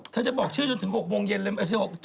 เธอจะบอกชื่อจนถึง๖โมงเย็นทุกหนึ่งนะแม่น้า